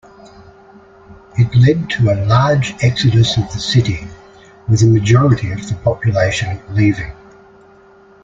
It led to a large exodus of the city, with a majority of the population leaving.